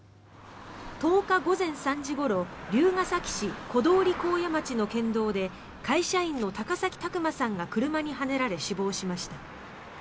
１０日午前３時ごろ龍ケ崎市小通幸谷町の県道で会社員の高崎拓磨さんが車にはねられ死亡しました。